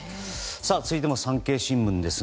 続いても産経新聞。